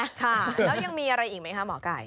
ค่ะแล้วยังมีอะไรอีกไหมคะหมอไก่